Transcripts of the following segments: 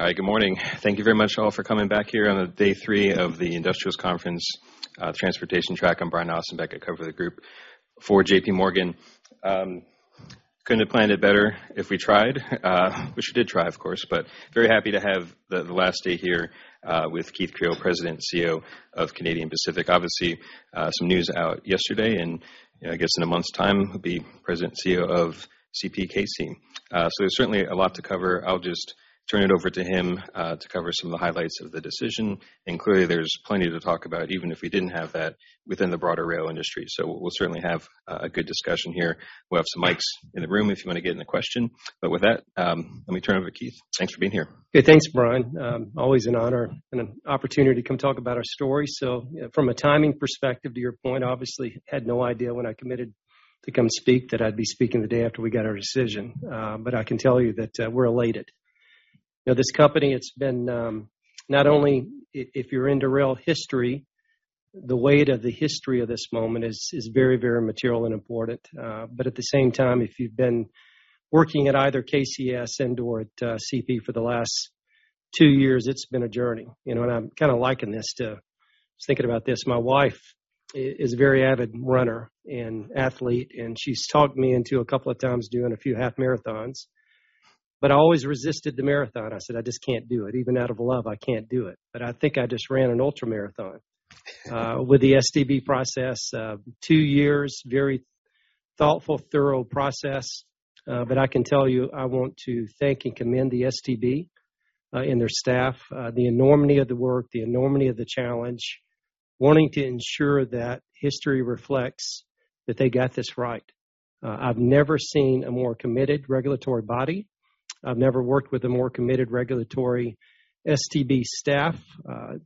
All right. Good morning. Thank you very much all for coming back here on day three of the Industrials Conference, Transportation Track. I'm Brian Ossenbeck. I cover the group for J.P. Morgan. Couldn't have planned it better if we tried, which we did try, of course, but very happy to have the last day here, with Keith Creel, President and CEO of Canadian Pacific. Obviously, some news out yesterday and, you know, I guess in one month's time, he'll be President and CEO of CPKC. There's certainly a lot to cover. I'll just turn it over to him, to cover some of the highlights of the decision. Clearly, there's plenty to talk about, even if we didn't have that within the broader rail industry. We'll certainly have a good discussion here. We'll have some mics in the room if you want to get in a question. With that, let me turn it over to Keith. Thanks for being here. Yeah. Thanks, Brian. Always an honor and an opportunity to come talk about our story. From a timing perspective, to your point, obviously had no idea when I committed to come speak that I'd be speaking the day after we got our decision. I can tell you that we're elated. You know, this company, it's been not only if you're into rail history, the weight of the history of this moment is very, very material and important. At the same time, if you've been working at either KCS and/or at CP for the last two years, it's been a journey. You know, I was thinking about this. My wife is a very avid runner and athlete, and she's talked me into a couple of times doing a few half marathons, but I always resisted the marathon. I said, "I just can't do it. Even out of love, I can't do it." I think I just ran an ultra-marathon with the STB process. Two years, very thoughtful, thorough process. I can tell you, I want to thank and commend the STB and their staff. The enormity of the work, the enormity of the challenge, wanting to ensure that history reflects that they got this right. I've never seen a more committed regulatory body. I've never worked with a more committed regulatory STB staff.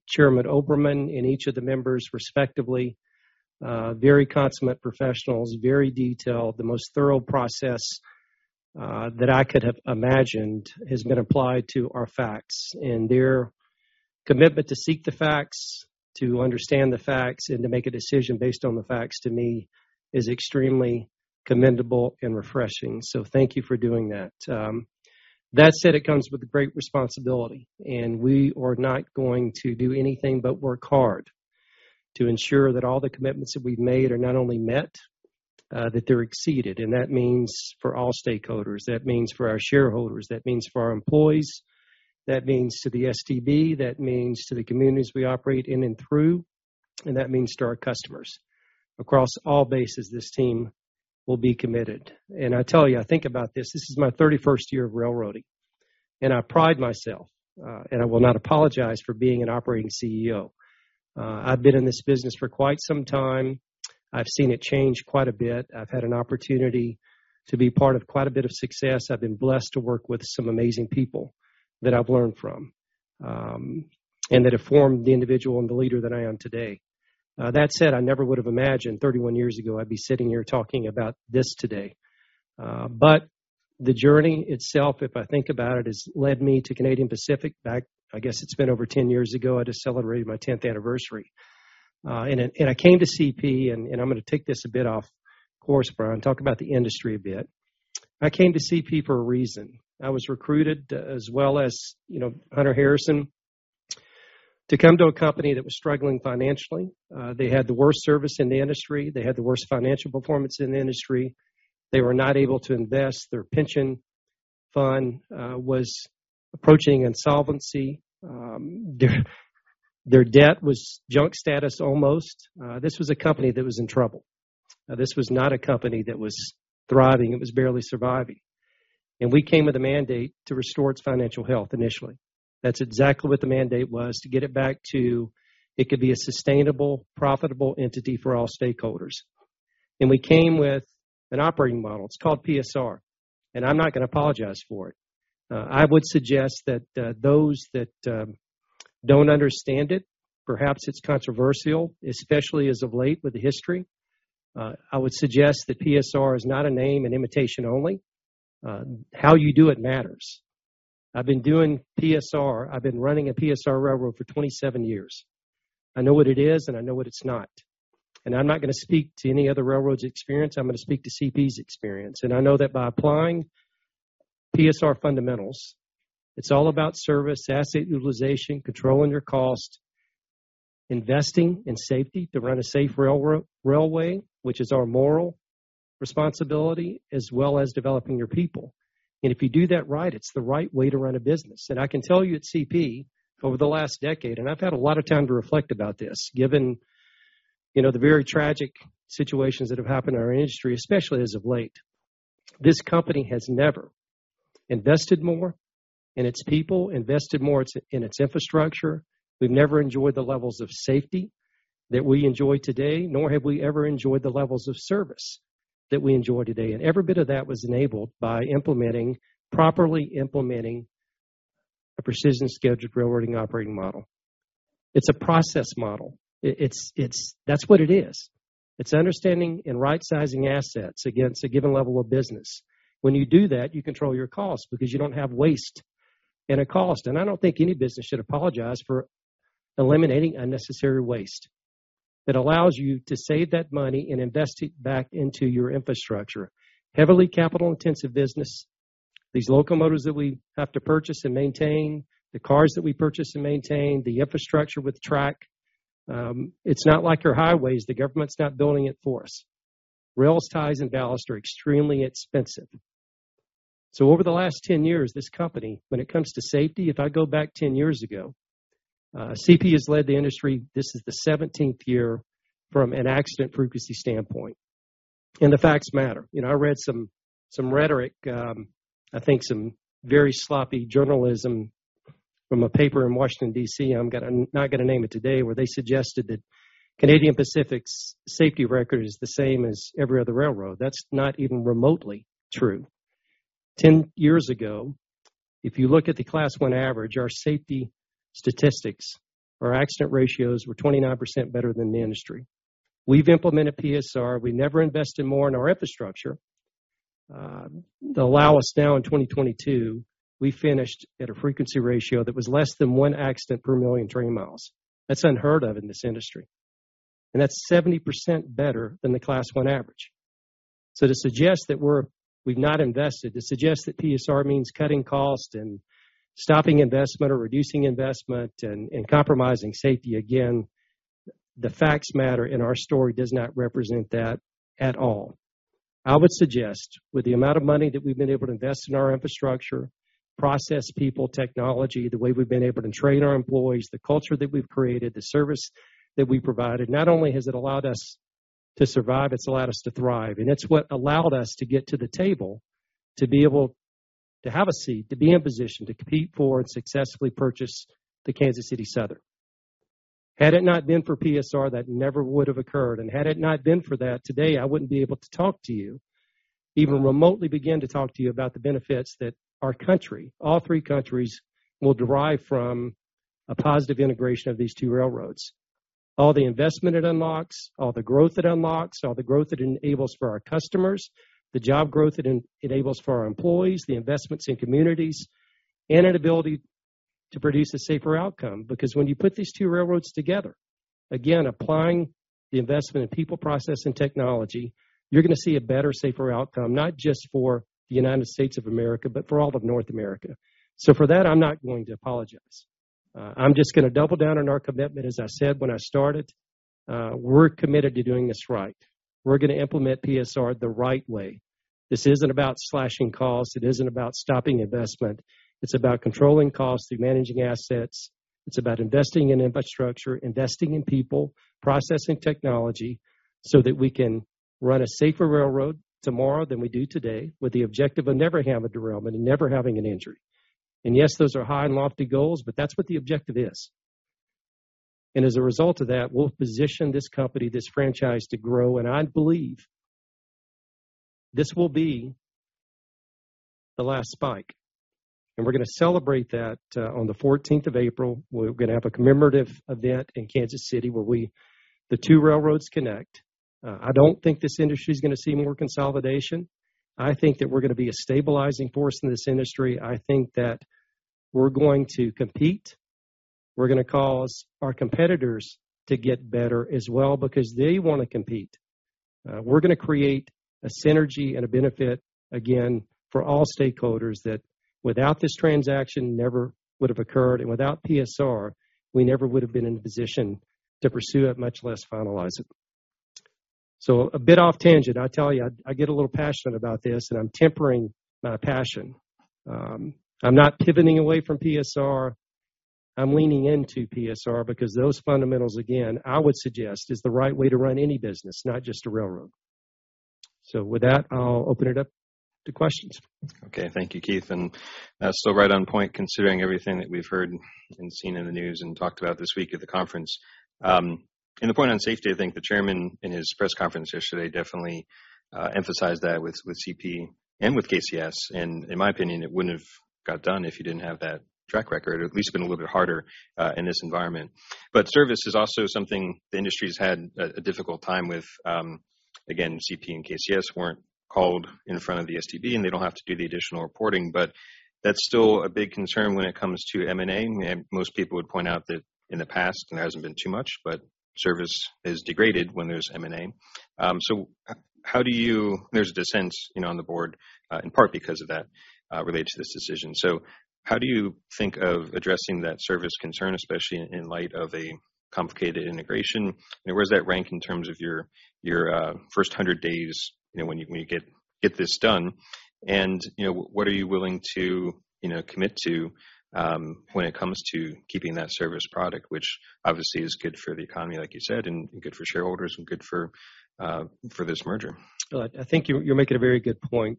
Chairman Oberman and each of the members respectively, very consummate professionals, very detailed. The most thorough process that I could have imagined has been applied to our facts. Their commitment to seek the facts, to understand the facts, and to make a decision based on the facts, to me, is extremely commendable and refreshing. Thank you for doing that. That said, it comes with great responsibility, and we are not going to do anything but work hard to ensure that all the commitments that we've made are not only met, that they're exceeded. That means for all stakeholders. That means for our shareholders, that means for our employees, that means to the STB, that means to the communities we operate in and through, and that means to our customers. Across all bases, this team will be committed. I tell you, I think about this. This is my 31st year of railroading, and I pride myself, and I will not apologize for being an operating CEO. I've been in this business for quite some time. I've seen it change quite a bit. I've had an opportunity to be part of quite a bit of success. I've been blessed to work with some amazing people that I've learned from, and that have formed the individual and the leader that I am today. That said, I never would have imagined 31 years ago I'd be sitting here talking about this today. The journey itself, if I think about it, has led me to Canadian Pacific. Back, I guess, it's been over 10 years ago. I just celebrated my 10th anniversary. I came to CP, and I'm going to take this a bit off course, Brian, talk about the industry a bit. I came to CP for a reason. I was recruited as well as, you know, Hunter Harrison, to come to a company that was struggling financially. They had the worst service in the industry. They had the worst financial performance in the industry. They were not able to invest. Their pension fund was approaching insolvency. Their debt was junk status almost. This was a company that was in trouble. This was not a company that was thriving. It was barely surviving. We came with a mandate to restore its financial health initially. That's exactly what the mandate was, to get it back to it could be a sustainable, profitable entity for all stakeholders. We came with an operating model. It's called PSR, and I'm not going to apologize for it. I would suggest that those that don't understand it, perhaps it's controversial, especially as of late with the history. I would suggest that PSR is not a name in imitation only. How you do it matters. I've been doing PSR. I've been running a PSR railroad for 27 years. I know what it is, and I know what it's not. I'm not going to speak to any other railroad's experience. I'm going to speak to CP's experience. I know that by applying PSR fundamentals, it's all about service, asset utilization, controlling your cost, investing in safety to run a safe railway, which is our moral responsibility, as well as developing your people. If you do that right, it's the right way to run a business. I can tell you at CP, over the last decade, and I've had a lot of time to reflect about this, given, you know, the very tragic situations that have happened in our industry, especially as of late. This company has never invested more in its people, invested more in its infrastructure. We've never enjoyed the levels of safety that we enjoy today, nor have we ever enjoyed the levels of service that we enjoy today. Every bit of that was enabled by implementing, properly implementing a precision scheduled railroading operating model. It's a process model. That's what it is. It's understanding and right-sizing assets against a given level of business. When you do that, you control your costs because you don't have waste. A cost. I don't think any business should apologize for eliminating unnecessary waste that allows you to save that money and invest it back into your infrastructure. Heavily capital-intensive business. These locomotives that we have to purchase and maintain, the cars that we purchase and maintain, the infrastructure with track. It's not like your highways. The government's not building it for us. Rail ties and ballasts are extremely expensive. Over the last 10 years, this company, when it comes to safety, if I go back 10 years ago, CP has led the industry. This is the 17th year from an accident frequency standpoint. The facts matter. You know, I read some rhetoric, I think some very sloppy journalism from a paper in Washington, D.C., not gonna name it today, where they suggested that Canadian Pacific's safety record is the same as every other railroad. That's not even remotely true. 10 years ago, if you look at the Class I average, our safety statistics, our accident ratios were 29% better than the industry. We've implemented PSR. We never invested more in our infrastructure. To allow us now in 2022, we finished at a frequency ratio that was less than one accident per million train miles. That's unheard of in this industry. That's 70% better than the Class I average. To suggest that we've not invested, to suggest that PSR means cutting costs and stopping investment or reducing investment and compromising safety, again, the facts matter, and our story does not represent that at all. I would suggest, with the amount of money that we've been able to invest in our infrastructure, process, people, technology, the way we've been able to train our employees, the culture that we've created, the service that we've provided, not only has it allowed us to survive, it's allowed us to thrive. It's what allowed us to get to the table, to be able to have a seat, to be in position to compete for and successfully purchase the Kansas City Southern. Had it not been for PSR, that never would have occurred. Had it not been for that, today, I wouldn't be able to talk to you, even remotely begin to talk to you about the benefits that our country, all three countries, will derive from a positive integration of these two railroads. All the investment it unlocks, all the growth it unlocks, all the growth it enables for our customers, the job growth it enables for our employees, the investments in communities, and an ability to produce a safer outcome. When you put these two railroads together, again, applying the investment in people, process, and technology, you're gonna see a better, safer outcome, not just for the United States of America, but for all of North America. For that, I'm not going to apologize. I'm just gonna double down on our commitment. As I said when I started, we're committed to doing this right. We're gonna implement PSR the right way. This isn't about slashing costs. It isn't about stopping investment. It's about controlling costs through managing assets. It's about investing in infrastructure, investing in people, processing technology, so that we can run a safer railroad tomorrow than we do today, with the objective of never having a derailment and never having an injury. Yes, those are high and lofty goals, but that's what the objective is. As a result of that, we'll position this company, this franchise, to grow. I believe this will be the last spike. We're gonna celebrate that on the 14 of April. We're gonna have a commemorative event in Kansas City where the two railroads connect. I don't think this industry is gonna see more consolidation. I think that we're gonna be a stabilizing force in this industry. I think that we're going to compete. We're gonna cause our competitors to get better as well because they wanna compete. We're gonna create a synergy and a benefit, again, for all stakeholders that without this transaction never would have occurred. Without PSR, we never would have been in a position to pursue it, much less finalize it. A bit off tangent, I tell you, I get a little passionate about this, and I'm tempering my passion. I'm not pivoting away from PSR. I'm leaning into PSR because those fundamentals, again, I would suggest is the right way to run any business, not just a railroad. With that, I'll open it up to questions. Okay. Thank you, Keith. So right on point, considering everything that we've heard and seen in the news and talked about this week at the conference. The point on safety, I think the Chairman in his press conference yesterday definitely emphasized that with CP and with KCS. In my opinion, it wouldn't have got done if you didn't have that track record, or at least been a little bit harder in this environment. Service is also something the industry's had a difficult time with. Again, CP and KCS weren't called in front of the STB, and they don't have to do the additional reporting. That's still a big concern when it comes to M&A. Most people would point out that in the past there hasn't been too much, but service is degraded when there's M&A. There's a dissent, you know, on the board, in part because of that, related to this decision. How do you think of addressing that service concern, especially in light of a complicated integration? You know, where does that rank in terms of your, first hundred days, you know, when you get this done? What are you willing to, you know, commit to, when it comes to keeping that service product, which obviously is good for the economy, like you said, and good for shareholders and good for this merger? I think you're making a very good point.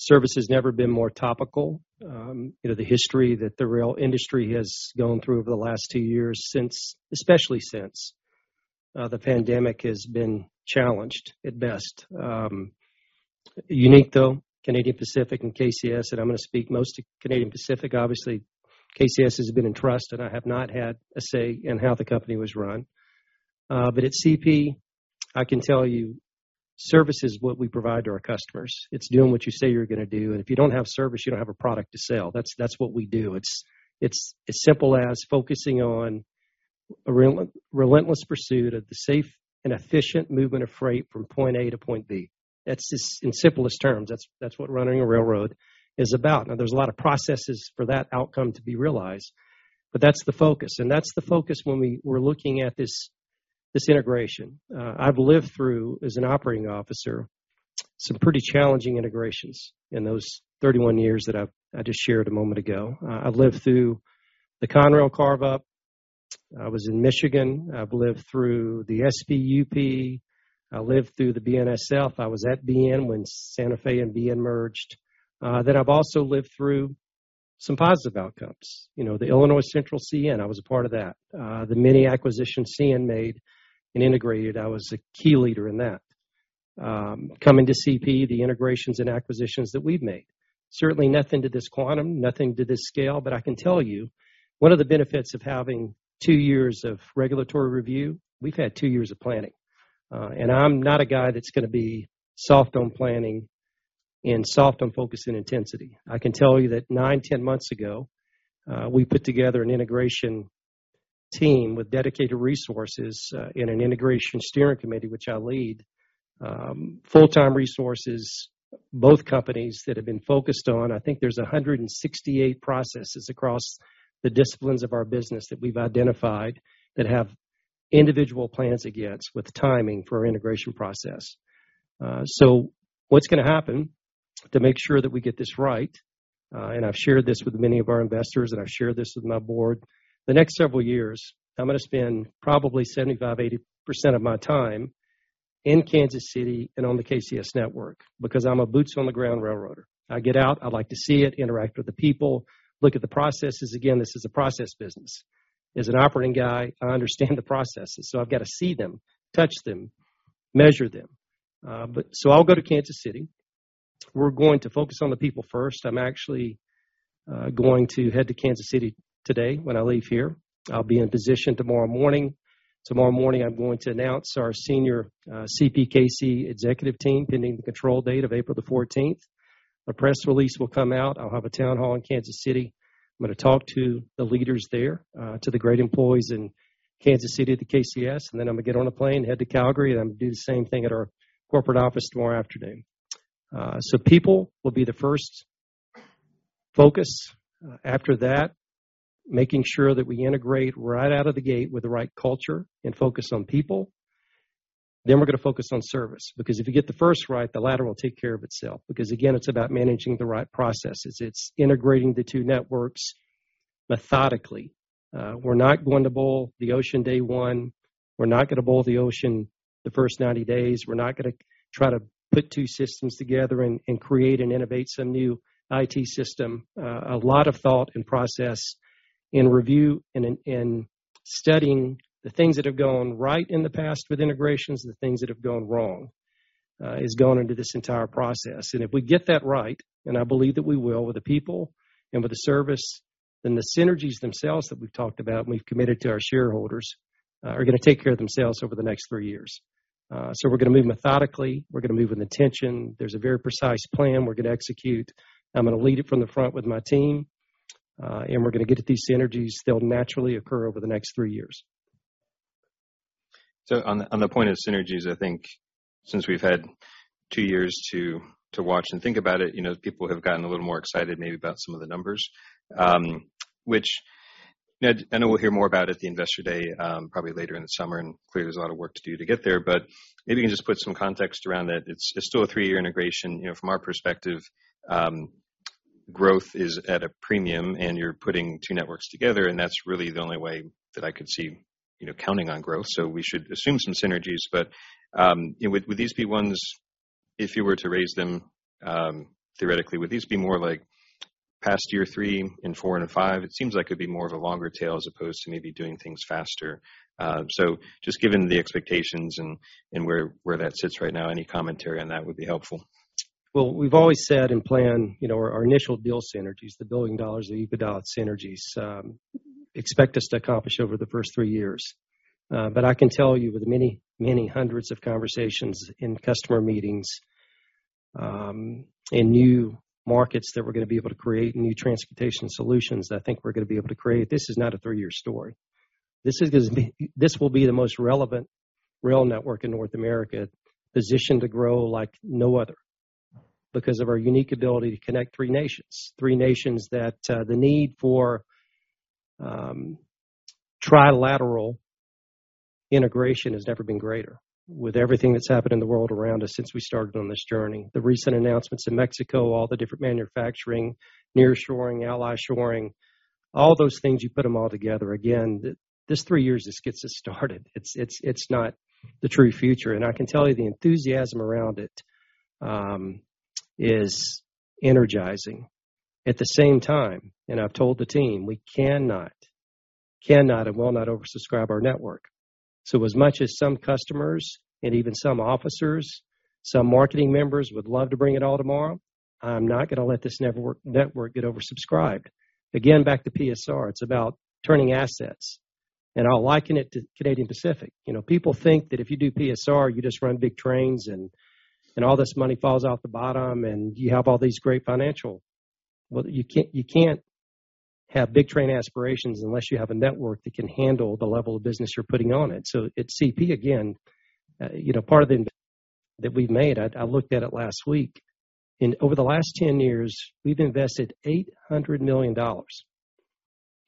Service has never been more topical. You know, the history that the rail industry has gone through over the last two years since especially since the pandemic has been challenged at best. Unique though, Canadian Pacific and KCS, and I'm going to speak mostly Canadian Pacific. Obviously, KCS has been in trust, and I have not had a say in how the company was run. At CP I can tell you service is what we provide to our customers. It's doing what you say you're going to do. If you don't have service, you don't have a product to sell. That's what we do. It's as simple as focusing on a relentless pursuit of the safe and efficient movement of freight from Point A to Point B. That's just in simplest terms, that's what running a railroad is about. Now, there's a lot of processes for that outcome to be realized, but that's the focus. That's the focus when we're looking at this integration. I've lived through, as an operating officer, some pretty challenging integrations in those 31 years that I just shared a moment ago. I've lived through the Conrail carve-up. I was in Michigan. I've lived through the SP-UP. I lived through the BNSF. I was at BN when Santa Fe and BN merged. I've also lived through some positive outcomes. You know, the Illinois Central CN, I was a part of that. The many acquisitions CN made and integrated, I was a key leader in that. Coming to CP, the integrations and acquisitions that we've made. Certainly nothing to this quantum, nothing to this scale. I can tell you, one of the benefits of having two years of regulatory review, we've had two years of planning. I'm not a guy that's going to be soft on planning and soft on focus and intensity. I can tell you that 9-10 months ago, we put together an integration team with dedicated resources, in an integration steering committee, which I lead. Full-time resources, both companies that have been focused on. I think there's 168 processes across the disciplines of our business that we've identified that have individual plans against with timing for our integration process. What's going to happen to make sure that we get this right, and I've shared this with many of our investors, and I've shared this with my board. The next several years, I'm going to spend probably 75%, 80% of my time in Kansas City and on the KCS network because I'm a boots on the ground railroader. I get out. I like to see it, interact with the people, look at the processes. Again, this is a process business. As an operating guy, I understand the processes, so I've got to see them, touch them, measure them. I'll go to Kansas City. We're going to focus on the people first. I'm actually going to head to Kansas City today when I leave here. I'll be in position tomorrow morning. Tomorrow morning, I'm going to announce our senior CPKC executive team pending the control date of April 14th. A press release will come out. I'll have a town hall in Kansas City. I'm going to talk to the leaders there, to the great employees in Kansas City at the KCS. I'm going to get on a plane, head to Calgary, and I'm going to do the same thing at our corporate office tomorrow afternoon. People will be the first focus. After that, making sure that we integrate right out of the gate with the right culture and focus on people. We're going to focus on service, because if you get the first right, the latter will take care of itself. Again, it's about managing the right processes. It's integrating the two networks methodically. We're not going to boil the ocean day one. We're not going to boil the ocean the first 90 days. We're not going to try to put two systems together and create and innovate some new IT system. A lot of thought and process and review and studying the things that have gone right in the past with integrations and the things that have gone wrong, has gone into this entire process. If we get that right, and I believe that we will, with the people and with the service, then the synergies themselves that we've talked about and we've committed to our shareholders, are gonna take care of themselves over the next three years. We're going to move methodically. We're going to move with intention. There's a very precise plan we're going to execute. I'm going to lead it from the front with my team. And we're going to get to these synergies that'll naturally occur over the next three years. On the point of synergies, I think since we've had two years to watch and think about it, you know, people have gotten a little more excited maybe about some of the numbers. Which, you know, I know we'll hear more about at the Investor Day, probably later in the summer, and clearly there's a lot of work to do to get there. Maybe you can just put some context around that. It's still a three-year integration. You know, from our perspective, growth is at a premium and you're putting two networks together, and that's really the only way that I could see, you know, counting on growth. We should assume some synergies. Would these be ones, if you were to raise them, theoretically, would these be more like past year three and four and a five? It seems like it'd be more of a longer tail as opposed to maybe doing things faster. just given the expectations and where that sits right now, any commentary on that would be helpful. We've always said and planned, you know, our initial deal synergies, the building dollars, the EBITDA synergies, expect us to accomplish over the first three years. I can tell you with many, many hundreds of conversations in customer meetings, in new markets that we're going to be able to create, new transportation solutions that I think we're going to be able to create. This is not a three-year story. This will be the most relevant rail network in North America, positioned to grow like no other because of our unique ability to connect three nations. Three nations that, the need for, trilateral integration has never been greater. With everything that's happened in the world around us since we started on this journey, the recent announcements in Mexico, all the different manufacturing, nearshoring, ally-shoring, all those things, you put them all together. Again, this three years just gets us started. It's, it's not the true future. I can tell you the enthusiasm around it is energizing. At the same time, and I've told the team, we cannot and will not oversubscribe our network. As much as some customers and even some officers, some marketing members would love to bring it all tomorrow, I'm not going to let this network get oversubscribed. Again, back to PSR, it's about turning assets, and I'll liken it to Canadian Pacific. You know, people think that if you do PSR, you just run big trains and all this money falls out the bottom, and you have all these great financial. Well, you can't, you can't have big train aspirations unless you have a network that can handle the level of business you're putting on it. At CP, again, you know, part of the investment that we've made, I looked at it last week, and over the last 10 years, we've invested $800 million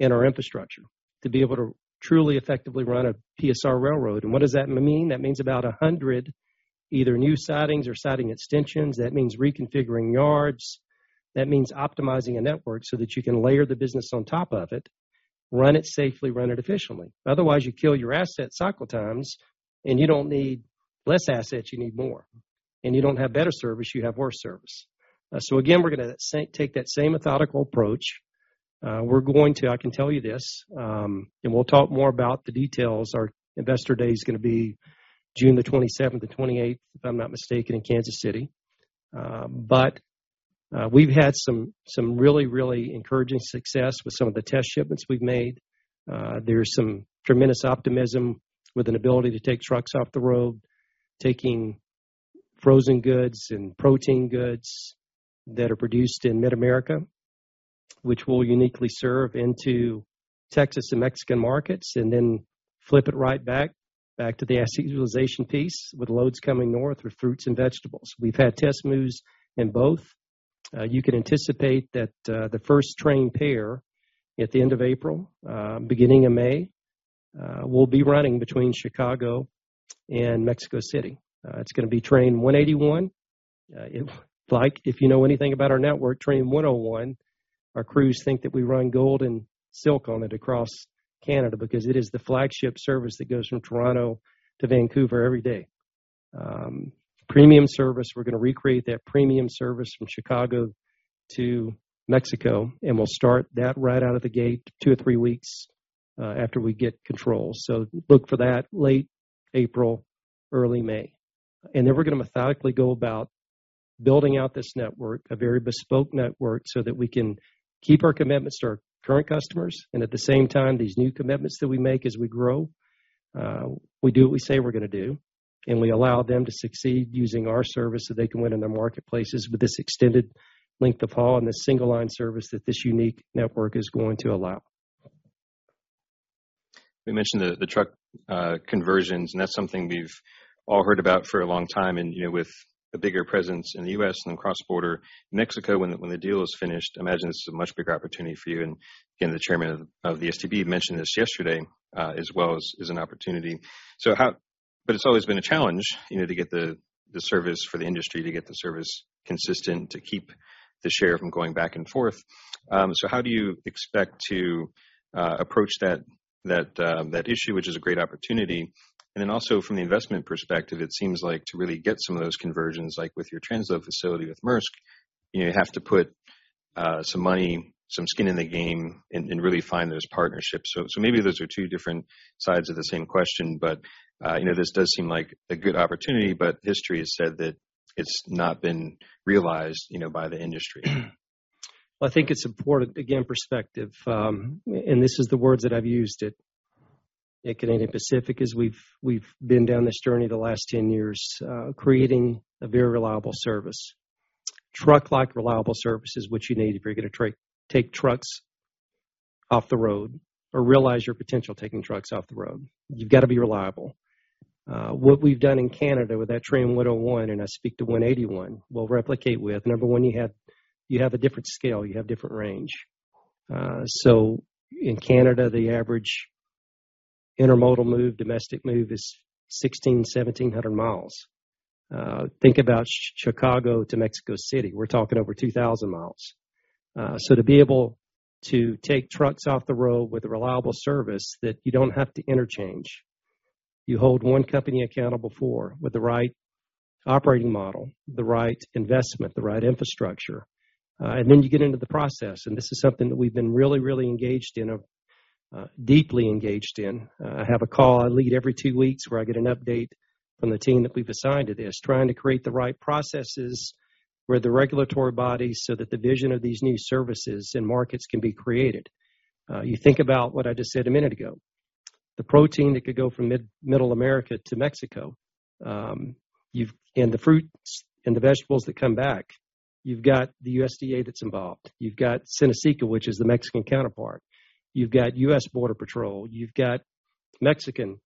in our infrastructure to be able to truly, effectively run a PSR railroad. What does that mean? That means about 100, either new sidings or siding extensions. That means reconfiguring yards. That means optimizing a network so that you can layer the business on top of it, run it safely, run it efficiently. Otherwise, you kill your asset cycle times, you don't need less assets, you need more. You don't have better service, you have worse service. Again, we're gonna take that same methodical approach. We're going to, I can tell you this, we'll talk more about the details. Our investor day is gonna be June the 27th or 28th, if I'm not mistaken, in Kansas City. We've had some really, really encouraging success with some of the test shipments we've made. There's some tremendous optimism with an ability to take trucks off the road, taking frozen goods and protein goods that are produced in Mid-America, which we'll uniquely serve into Texas and Mexican markets, then flip it right back to the asset utilization piece with loads coming north with fruits and vegetables. We've had test moves in both. You can anticipate that the first train pair at the end of April, beginning of May, will be running between Chicago and Mexico City. It's gonna be Train 181. Like, if you know anything about our network, train 101, our crews think that we run gold and silk on it across Canada because it is the flagship service that goes from Toronto to Vancouver every day. Premium service, we're gonna recreate that premium service from Chicago to Mexico, and we'll start that right out of the gate two to three weeks after we get control. Look for that late April, early May. We're gonna methodically go about building out this network, a very bespoke network, so that we can keep our commitments to our current customers, and at the same time, these new commitments that we make as we grow, we do what we say we're gonna do, and we allow them to succeed using our service so they can win in their marketplaces with this extended length of haul and the single-line service that this unique network is going to allow. You mentioned the truck conversions, and that's something we've all heard about for a long time and, you know, with a bigger presence in the U.S. and across border Mexico, when the deal is finished, I imagine this is a much bigger opportunity for you. Again, the Chairman of the STB mentioned this yesterday as well as an opportunity. But it's always been a challenge, you know, to get the service for the industry, to get the service consistent, to keep the share from going back and forth. How do you expect to approach that issue, which is a great opportunity? Then also from the investment perspective, it seems like to really get some of those conversions, like with your transload facility with Maersk, you know, you have to put some money, some skin in the game and really find those partnerships. Maybe those are two different sides of the same question. You know, this does seem like a good opportunity, but history has said that it's not been realized, you know, by the industry. I think it's important, again, perspective. This is the words that I've used at Canadian Pacific as we've been down this journey the last 10 years, creating a very reliable service. Truck-like reliable service is what you need if you're gonna take trucks off the road or realize your potential taking trucks off the road. You've got to be reliable. What we've done in Canada with that train one oh one, and I speak to 181, we'll replicate with. Number one, you have a different scale, you have different range. In Canada, the average intermodal move, domestic move is 1,600, 1,700 miles. Think about Chicago to Mexico City. We're talking over 2,000 miles. To be able to take trucks off the road with a reliable service that you don't have to interchange, you hold one company accountable for with the right operating model, the right investment, the right infrastructure. Then you get into the process, and this is something that we've been really, really engaged in, deeply engaged in. I have a call I lead every two weeks where I get an update from the team that we've assigned to this, trying to create the right processes where the regulatory bodies so that the vision of these new services and markets can be created. You think about what I just said a minute ago. The protein that could go from Middle America to Mexico, and the fruits and the vegetables that come back, you've got the USDA that's involved. You've got SENASICA, which is the Mexican counterpart. You've got U.S. Border Patrol. You've got Mexican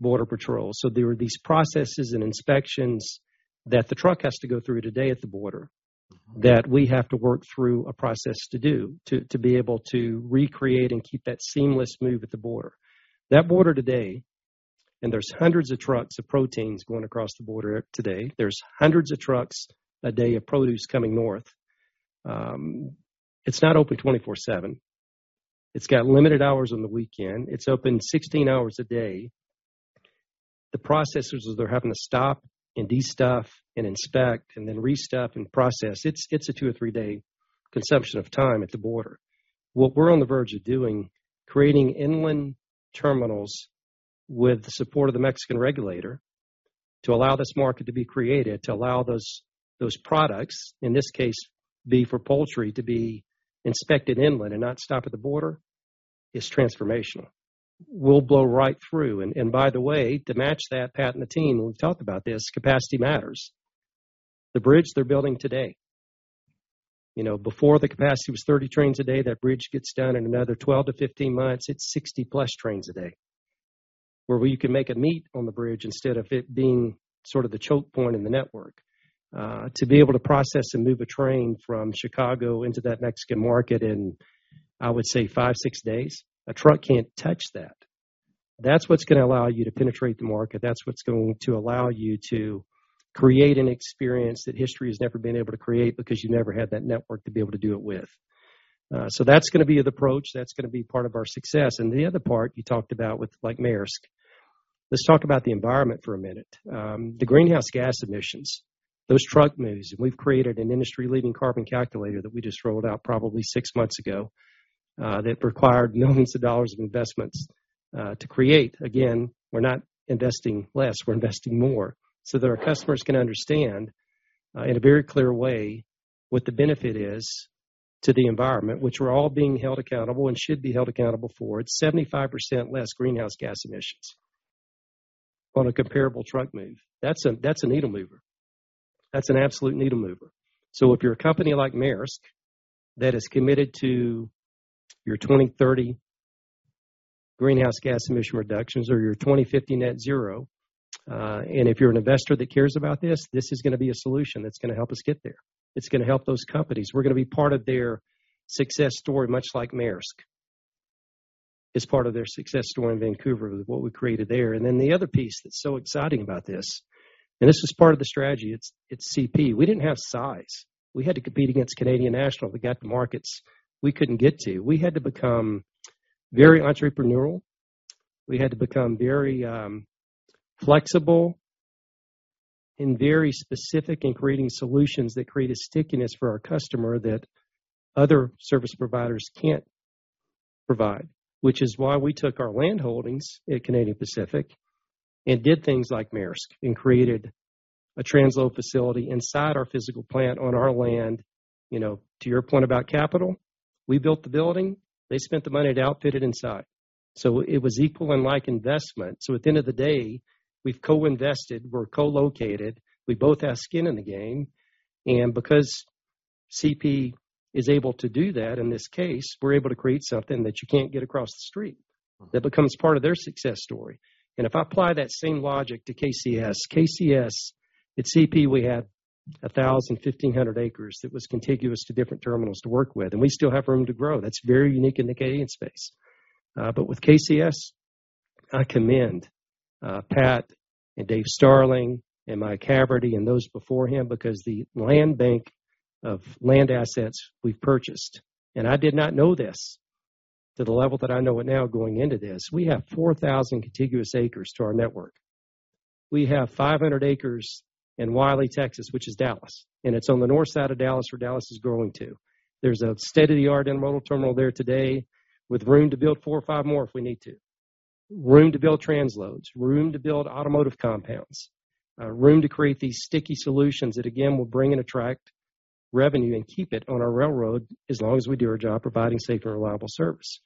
Border Patrol. There are these processes and inspections that the truck has to go through today at the border that we have to work through a process to do, to be able to recreate and keep that seamless move at the border. That border today, there's hundreds of trucks of proteins going across the border today. There's hundreds of trucks a day of produce coming north. It's not open 24/7. It's got limited hours on the weekend. It's open 16 hours a day. The processors, they're having to stop and destuff and inspect and then restuff and process. It's a two or three day consumption of time at the border. What we're on the verge of doing, creating inland terminals with the support of the Mexican regulator. To allow this market to be created, to allow those products, in this case, be for poultry to be inspected inland and not stop at the border is transformational. We'll blow right through. By the way, to match that, Pat and the team will talk about this, capacity matters. The bridge they're building today, you know, before the capacity was 30 trains a day. That bridge gets done in another 12-15 months, it's 60+ trains a day where we can make a meet on the bridge instead of it being sort of the choke point in the network. To be able to process and move a train from Chicago into that Mexican market in, I would say five, six days, a truck can't touch that. That's what's gonna allow you to penetrate the market. That's what's going to allow you to create an experience that history has never been able to create because you never had that network to be able to do it with. That's gonna be the approach, that's gonna be part of our success. The other part you talked about with, like Maersk. Let's talk about the environment for a minute. The greenhouse gas emissions, those truck moves, and we've created an industry-leading carbon calculator that we just rolled out probably six months ago, that required millions of dollars investments to create. Again, we're not investing less, we're investing more so that our customers can understand, in a very clear way what the benefit is to the environment, which we're all being held accountable and should be held accountable for. It's 75% less greenhouse gas emissions on a comparable truck move. That's a needle mover. That's an absolute needle mover. If you're a company like Maersk that is committed to your 2030 greenhouse gas emission reductions or your 2050 net zero, and if you're an investor that cares about this is gonna be a solution that's gonna help us get there. It's gonna help those companies. We're gonna be part of their success story, much like Maersk is part of their success story in Vancouver with what we created there. The other piece that's so exciting about this, and this is part of the strategy, it's CP. We didn't have size. We had to compete against Canadian National that got the markets we couldn't get to. We had to become very entrepreneurial. We had to become very flexible and very specific in creating solutions that create a stickiness for our customer that other service providers can't provide. We took our land holdings at Canadian Pacific and did things like Maersk and created a transload facility inside our physical plant on our land. You know, to your point about capital, we built the building. They spent the money to outfit it inside. It was equal and like investment. At the end of the day, we've co-invested, we're co-located. We both have skin in the game. Because CP is able to do that, in this case, we're able to create something that you can't get across the street that becomes part of their success story. If I apply that same logic to KCS. KCS-- at CP, we had 1,000, 1,500 acres that was contiguous to different terminals to work with. We still have room to grow. That's very unique in the Canadian space. With KCS, I commend Pat and Dave Starling and Mike Haverty and those before him, the land bank of land assets we've purchased, and I did not know this to the level that I know it now going into this, we have 4,000 contiguous acres to our network. We have 500 acres in Wylie, Texas, which is Dallas, and it's on the north side of Dallas where Dallas is growing to. There's a state-of-the-art intermodal terminal there today with room to build four or five more if we need to. Room to build transloads, room to build automotive compounds, room to create these sticky solutions that again, will bring and attract revenue and keep it on our railroad as long as we do our job providing safe and reliable service.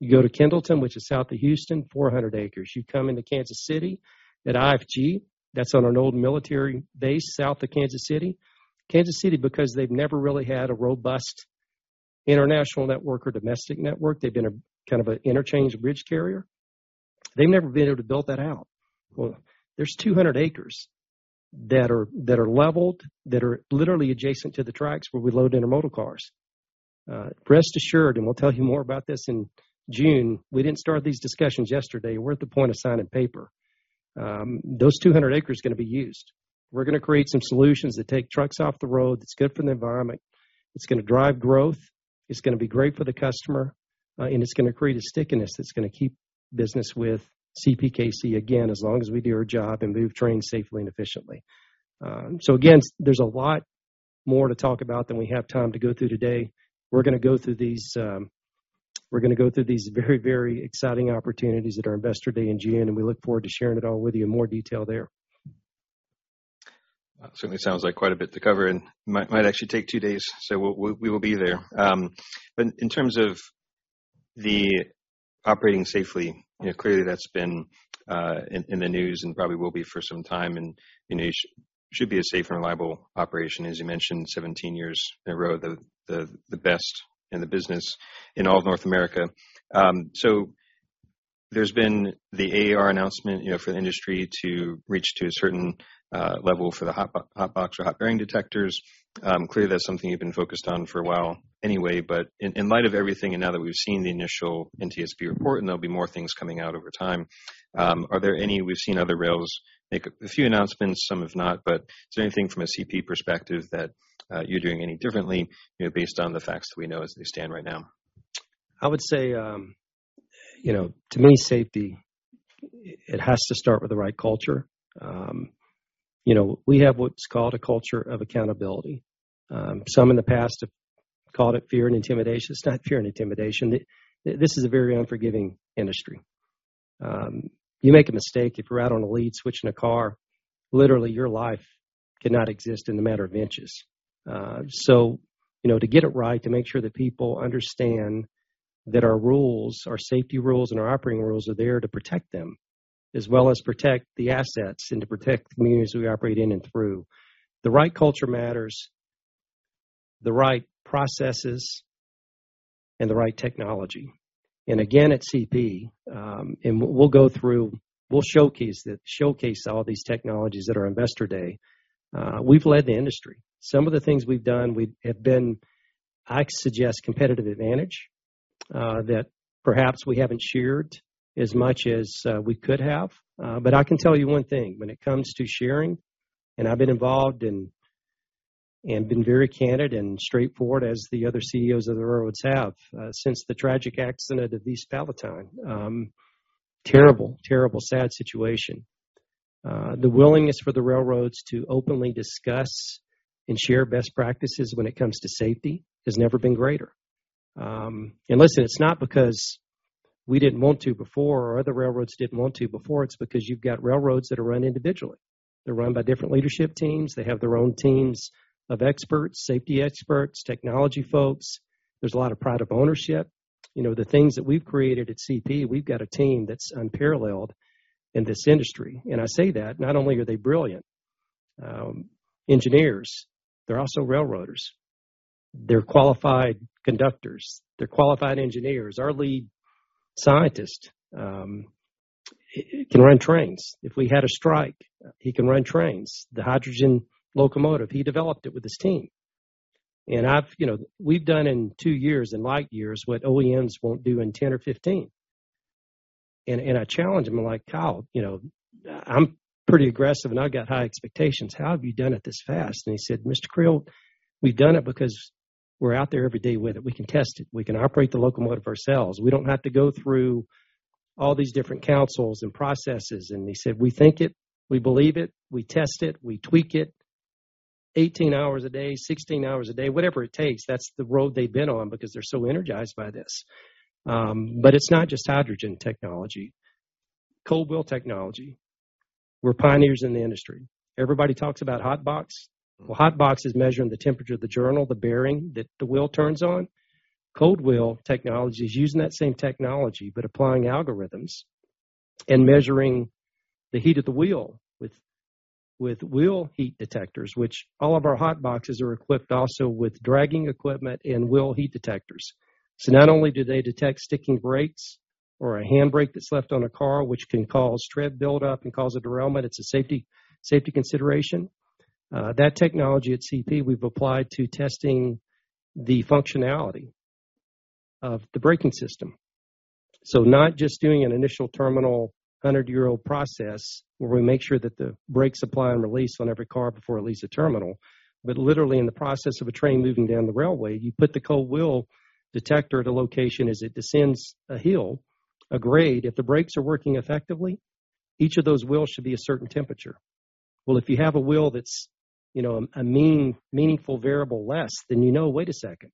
You go to Kendleton, which is south of Houston, 400 acres. You come into Kansas City at IFG, that's on an old military base south of Kansas City. Kansas City, because they've never really had a robust international network or domestic network. They've been a kind of an interchange bridge carrier. They've never been able to build that out. There's 200 acres that are leveled, that are literally adjacent to the tracks where we load intermodal cars. Rest assured, and we'll tell you more about this in June, we didn't start these discussions yesterday. We're at the point of signing paper. Those 200 acres are gonna be used. We're gonna create some solutions that take trucks off the road. That's good for the environment. It's gonna drive growth. It's gonna be great for the customer, and it's gonna create a stickiness that's gonna keep business with CPKC again, as long as we do our job and move trains safely and efficiently. Again, there's a lot more to talk about than we have time to go through today. We're gonna go through these, we're gonna go through these very, very exciting opportunities at our Investor Day in June, and we look forward to sharing it all with you in more detail there. That certainly sounds like quite a bit to cover and might actually take two days. We will be there. In terms of the operating safely, you know, clearly that's been in the news and probably will be for some time and, you know, should be a safe and reliable operation, as you mentioned, 17 years in a row, the best in the business in all of North America. There's been the AAR announcement, you know, for the industry to reach to a certain level for the hot box or hot bearing detectors. Clearly that's something you've been focused on for a while anyway. In light of everything and now that we've seen the initial NTSB report, and there'll be more things coming out over time, we've seen other rails make a few announcements, some have not. Is there anything from a CP perspective that you're doing any differently, you know, based on the facts that we know as they stand right now? I would say, you know, to me, safety, it has to start with the right culture. You know, we have what's called a culture of accountability. Some in the past have called it fear and intimidation. It's not fear and intimidation. This is a very unforgiving industry. You make a mistake if you're out on a lead switching a car, literally your life cannot exist in a matter of inches. You know, to get it right, to make sure that people understand that our rules, our safety rules, and our operating rules are there to protect them, as well as protect the assets and to protect the communities we operate in and through. The right culture matters, the right processes, and the right technology. Again, at CP, we'll showcase all these technologies at our investor day. We've led the industry. Some of the things we've done we have been, I suggest, competitive advantage that perhaps we haven't shared as much as we could have. I can tell you one thing, when it comes to sharing, and I've been involved and been very candid and straightforward as the other CEOs of the railroads have since the tragic accident at East Palestine. Terrible, terrible, sad situation. The willingness for the railroads to openly discuss and share best practices when it comes to safety has never been greater. Listen, it's not because we didn't want to before, or other railroads didn't want to before. It's because you've got railroads that are run individually. They're run by different leadership teams. They have their own teams of experts, safety experts, technology folks. There's a lot of pride of ownership. You know, the things that we've created at CP, we've got a team that's unparalleled in this industry. I say that not only are they brilliant engineers, they're also railroaders. They're qualified conductors. They're qualified engineers. Our lead scientist can run trains. If we had a strike, he can run trains. The hydrogen locomotive he developed it with his team. You know, we've done in two years, in light years, what OEMs won't do in 10 or 15. I challenge him. I'm like, "Kyle," you know, "I'm pretty aggressive, and I've got high expectations. How have you done it this fast?" He said, "Mr. Creel, we've done it because we're out there every day with it. We can test it. We can operate the locomotive ourselves. We don't have to go through all these different councils and processes." He said, "We think it, we believe it, we test it, we tweak it 18 hours a day, 16 hours a day," whatever it takes. That's the road they've been on because they're so energized by this. It's not just hydrogen technology. Cold wheel technology. We're pioneers in the industry. Everybody talks about hot box. Hot box is measuring the temperature of the journal, the bearing that the wheel turns on. Cold wheel technology is using that same technology, but applying algorithms and measuring the heat of the wheel with wheel heat detectors, which all of our hot boxes are equipped also with dragging equipment and wheel heat detectors. Not only do they detect sticking brakes or a handbrake that's left on a car, which can cause tread buildup and cause a derailment, it's a safety consideration. That technology at CP we've applied to testing the functionality of the braking system. Not just doing an initial terminal 100-year-old process where we make sure that the brakes apply and release on every car before it leaves the terminal. Literally in the process of a train moving down the railway, you put the cold wheel detector at a location as it descends a hill, a grade. If the brakes are working effectively, each of those wheels should be a certain temperature. If you have a wheel that's, you know, a meaningful variable less, then you know, wait a second,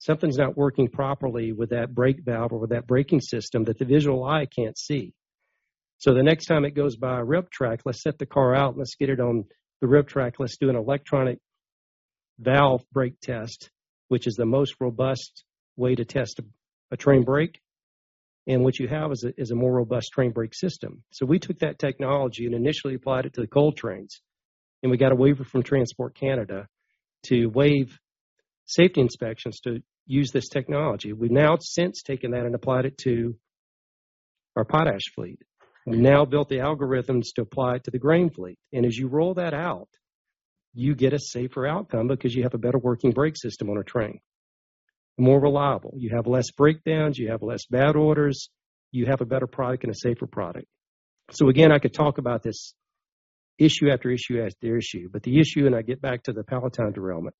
something's not working properly with that brake valve or that braking system that the visual eye can't see. The next time it goes by a RIP track, let's set the car out, let's get it on the RIP track. Let's do an electronic valve brake test, which is the most robust way to test a train brake. What you have is a more robust train brake system. We took that technology and initially applied it to the coal trains, and we got a waiver from Transport Canada to waive safety inspections to use this technology. We've now since taken that and applied it to our potash fleet. We now built the algorithms to apply it to the grain fleet. As you roll that out, you get a safer outcome because you have a better working brake system on a train. More reliable. You have less breakdowns. You have less bad orders. You have a better product and a safer product. Again, I could talk about this issue after issue after issue. The issue, and I get back to the East Palestine derailment,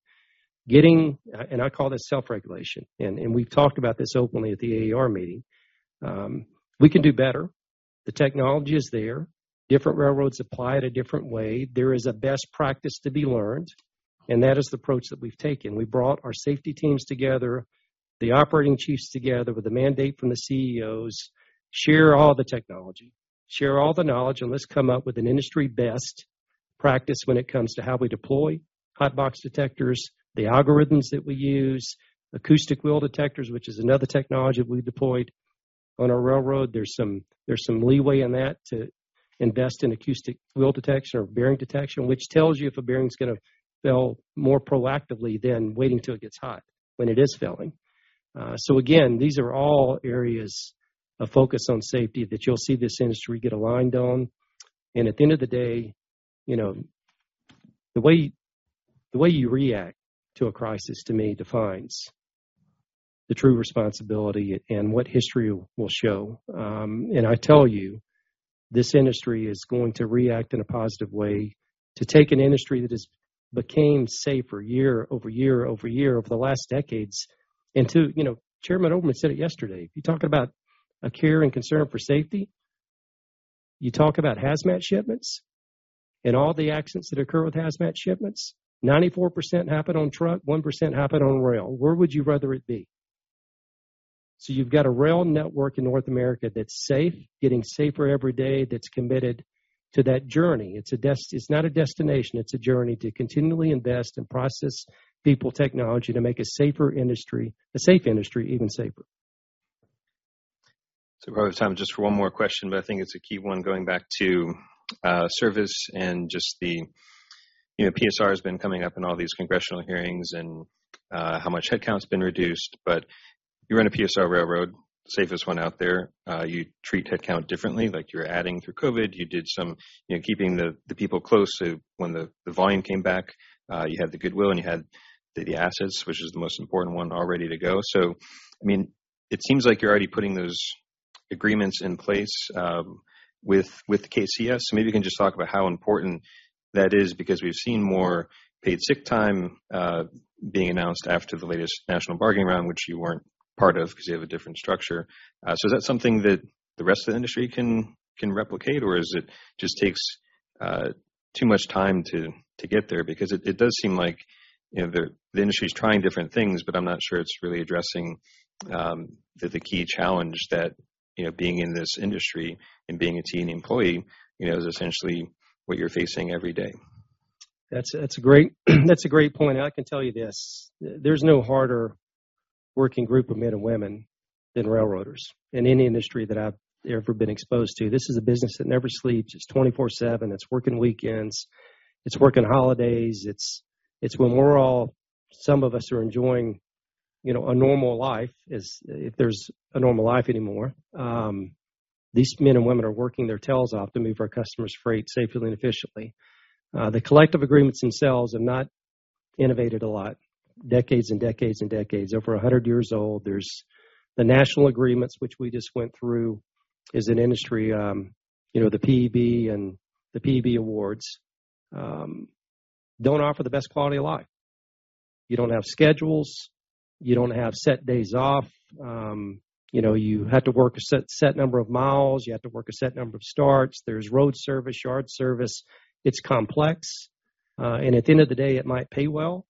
and I call this self-regulation, and we've talked about this openly at the AAR meeting. We can do better. The technology is there. Different railroads apply it a different way. There is a best practice to be learned, and that is the approach that we've taken. We brought our safety teams together, the operating chiefs together with a mandate from the CEOs, share all the technology, share all the knowledge, and let's come up with an industry best practice when it comes to how we deploy hot box detectors, the algorithms that we use, acoustic bearing detectors, which is another technology that we deployed on our railroad. There's some leeway in that to invest in acoustic wheel detection or bearing detection, which tells you if a bearing's gonna fail more proactively than waiting till it gets hot when it is failing. Again, these are all areas of focus on safety that you'll see this industry get aligned on. At the end of the day, you know, the way you react to a crisis to me defines the true responsibility and what history will show. I tell you, this industry is going to react in a positive way to take an industry that has became safer year over year over year over the last decades into... You know, Chairman Oberman said it yesterday. If you talk about a care and concern for safety. You talk about hazmat shipments and all the accidents that occur with hazmat shipments, 94% happen on truck, 1% happen on rail. Where would you rather it be? You've got a rail network in North America that's safe, getting safer every day, that's committed to that journey. It's not a destination, it's a journey to continually invest in process people technology to make a safer industry, a safe industry even safer. We have time just for one more question, but I think it's a key one going back to service and just the, you know, PSR has been coming up in all these congressional hearings and how much headcount's been reduced. You run a PSR railroad, safest one out there. You treat headcount differently, like you're adding through COVID. You did some, you know, keeping the people close to when the volume came back. You had the goodwill and you had the assets, which is the most important one all ready to go. I mean, it seems like you're already putting those agreements in place with KCS. Maybe you can just talk about how important that is, because we've seen more paid sick time, being announced after the latest national bargaining round, which you weren't part of because you have a different structure. Is that something that the rest of the industry can replicate, or is it just takes too much time to get there? Because it does seem like, you know, the industry's trying different things, but I'm not sure it's really addressing, the key challenge that, you know, being in this industry and being a team employee, you know, is essentially what you're facing every day. That's a great point. I can tell you this, there's no harder working group of men and women than railroaders in any industry that I've ever been exposed to. This is a business that never sleeps. It's 24/7. It's working weekends. It's working holidays. It's when some of us are enjoying, you know, a normal life is, if there's a normal life anymore, these men and women are working their tails off to move our customers freight safely and efficiently. The collective agreements themselves have not innovated a lot. Decades and decades and decades, over 100 years old. There's the national agreements, which we just went through as an industry, you know, the PEB and the PEB awards, don't offer the best quality of life. You don't have schedules. You don't have set days off. you know, you have to work a set number of miles. You have to work a set number of starts. There's road service, yard service. It's complex. At the end of the day, it might pay well,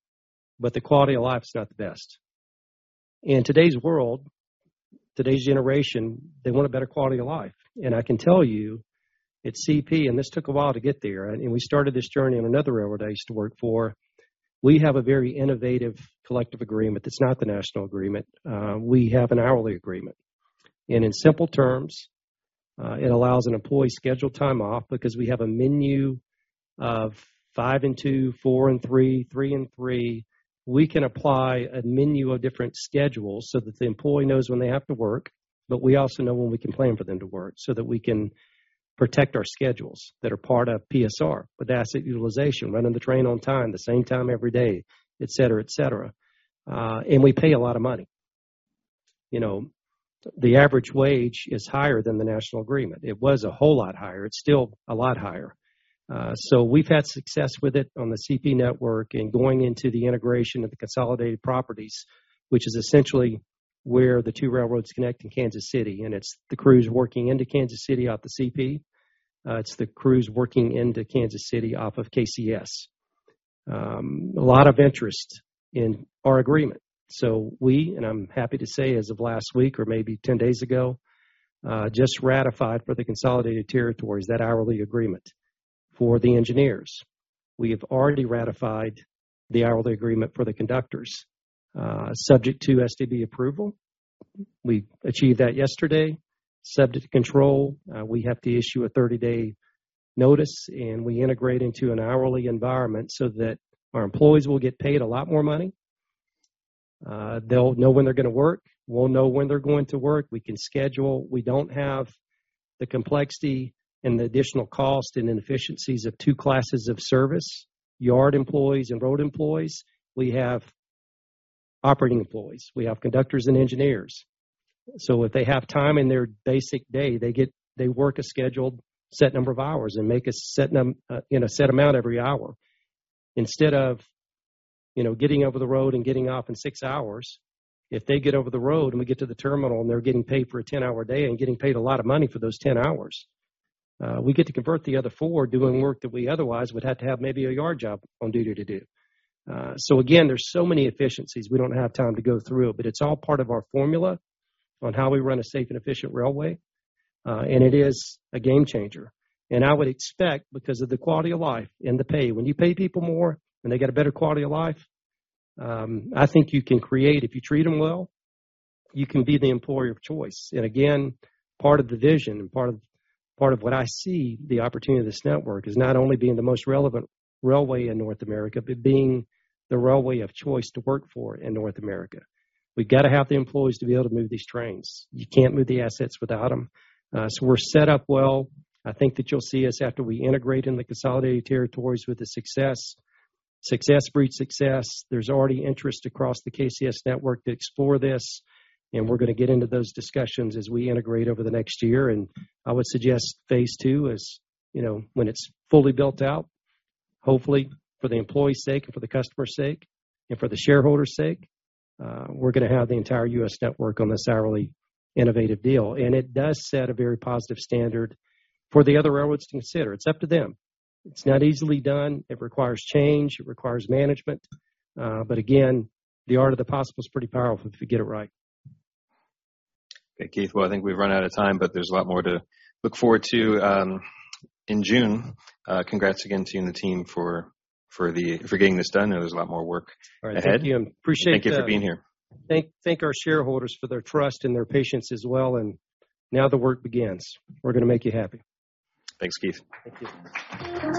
but the quality of life is not the best. In today's world, today's generation, they want a better quality of life. I can tell you at CP, and this took a while to get there, and we started this journey in another railroad I used to work for. We have a very innovative collective agreement that's not the national agreement. We have an hourly agreement. In simple terms, it allows an employee scheduled time off because we have a menu of five and two, four and three and three. We can apply a menu of different schedules so that the employee knows when they have to work. We also know when we can plan for them to work so that we can protect our schedules that are part of PSR with asset utilization, running the train on time, the same time every day, et cetera, et cetera. We pay a lot of money. You know, the average wage is higher than the national agreement. It was a whole lot higher. It's still a lot higher. We've had success with it on the CP network and going into the integration of the consolidated properties, which is essentially where the two railroads connect in Kansas City. It's the crews working into Kansas City off the CP. It's the crews working into Kansas City off of KCS. A lot of interest in our agreement. We, and I'm happy to say as of last week or maybe 10 days ago, just ratified for the consolidated territories that hourly agreement for the engineers. We have already ratified the hourly agreement for the conductors, subject to STB approval. We achieved that yesterday. Subject to control, we have to issue a 30-day notice, and we integrate into an hourly environment so that our employees will get paid a lot more money. They'll know when they're gonna work. We'll know when they're going to work. We can schedule. We don't have the complexity and the additional cost and inefficiencies of two classes of service, yard employees and road employees. We have operating employees. We have conductors and engineers. If they have time in their basic day, they work a scheduled set number of hours and make a set amount every hour. Instead of, you know, getting over the road and getting off in six hours, if they get over the road and we get to the terminal and they're getting paid for a 10-hour day and getting paid a lot of money for those 10 hours, we get to convert the other four doing work that we otherwise would have to have maybe a yard job on duty to do. Again, there's so many efficiencies we don't have time to go through, but it's all part of our formula on how we run a safe and efficient railway. It is a game changer. I would expect because of the quality of life and the pay, when you pay people more and they get a better quality of life, I think you can create. If you treat them well, you can be the employer of choice. Again, part of the vision and part of what I see the opportunity of this network is not only being the most relevant railway in North America, but being the railway of choice to work for in North America. We've got to have the employees to be able to move these trains. You can't move the assets without them. We're set up well. I think that you'll see us after we integrate in the consolidated territories with the success. Success breeds success. There's already interest across the KCS network to explore this. We're going to get into those discussions as we integrate over the next year. I would suggest phase two is, you know, when it's fully built out, hopefully for the employee's sake and for the customer's sake and for the shareholder's sake, we're gonna have the entire U.S. network on this hourly innovative deal. It does set a very positive standard for the other railroads to consider. It's up to them. It's not easily done. It requires change. It requires management. Again, the art of the possible is pretty powerful if you get it right. Okay, Keith. Well, I think we've run out of time. There's a lot more to look forward to, in June. Congrats again to you and the team for getting this done. I know there's a lot more work ahead. All right. Thank you. Appreciate. Thank you for being here. Thank our shareholders for their trust and their patience as well. Now the work begins. We're gonna make you happy. Thanks, Keith. Thank you.